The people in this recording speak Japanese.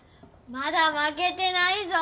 まだ負けてないぞ。